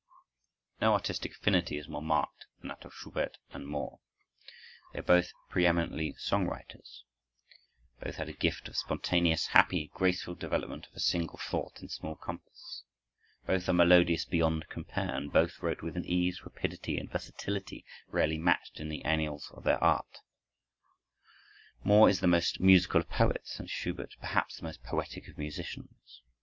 No artistic affinity is more marked than that of Schubert and Moore. They are both preëminently song writers. Both had a gift of spontaneous, happy, graceful development of a single thought in small compass. Both are melodious beyond compare, and both wrote with an ease, rapidity, and versatility rarely matched in the annals of their arts. Moore is the most musical of poets, and Schubert, perhaps, the most poetic of musicians.